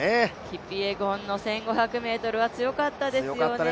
キピエゴンの１５００ｍは強かったですよね。